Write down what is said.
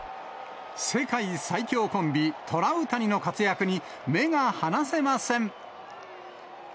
世界最強コンビ、トラウタニの活躍に目が離せません。